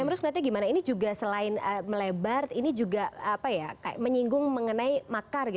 terus menurut saya ini selain melebar ini juga menyinggung mengenai makar